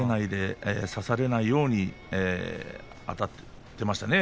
差されないようにあたってましたね。